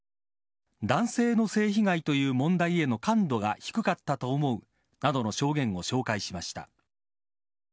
男性の性被害という問題への感度が低かったと思うなどの証言を紹介しました。